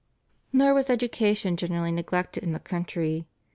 Nor was education generally neglected in the country.